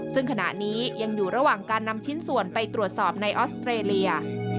ซึ่งขณะนี้ยังอยู่ระหว่างการนำชิ้นส่วนไปตรวจสอบในออสเตรเลีย